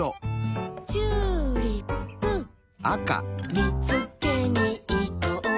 「見つけに行こう」